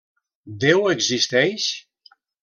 Déu existeix?